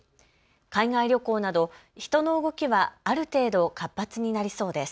海外旅行など人の動きはある程度活発になりそうです。